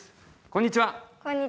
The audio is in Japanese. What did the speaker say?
こんにちは